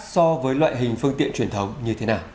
so với loại hình phương tiện truyền thống như thế nào